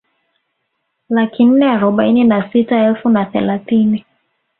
Laki nne arobaini na sita elfu na thelathini